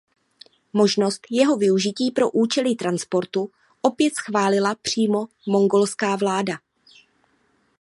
Možnost jeho využití pro účely transportu opět schválila přímo mongolská vláda.